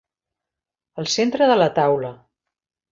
El centre de la taula.